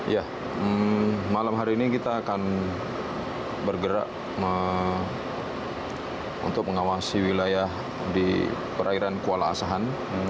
ya malam hari ini kita akan bergerak untuk mengawasi wilayah di perairan kuala asahan